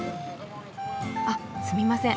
あっすみません。